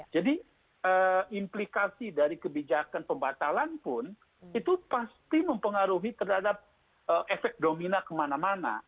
jadi implikasi dari kebijakan pembatalan pun itu pasti mempengaruhi terhadap efek domina kemana mana